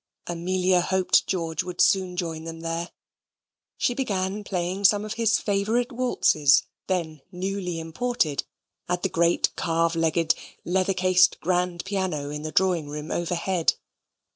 Amelia hoped George would soon join them there. She began playing some of his favourite waltzes (then newly imported) at the great carved legged, leather cased grand piano in the drawing room overhead.